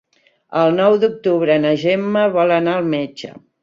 El nou d'octubre na Gemma vol anar al metge.